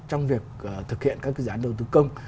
trong việc thực hiện các cái gián đầu tư công